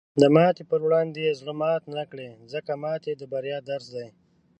د ماتې په وړاندې زړۀ مات نه کړه، ځکه ماتې د بریا درس دی.